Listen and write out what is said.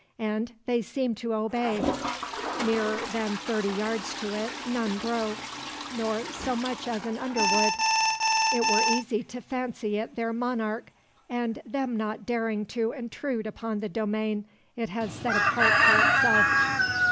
And they seem to obey. Nearer than thirty yards to it none grow, nor so much as an underwood. It were easy to fancy it their monarch, and them not daring to intrude upon the domain it has set apart for itself.